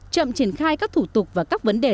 chậm triển khai các thủ tục và các vấn đề